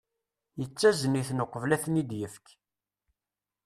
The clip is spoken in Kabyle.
Yettazen-iten uqbel ad ten-id-yefk.